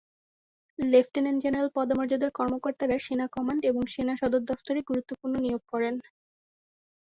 Lieutenant general পদমর্যাদার কর্মকর্তারা সেনা কমান্ড এবং সেনা সদর দফতরে গুরুত্বপূর্ণ নিয়োগ করেন।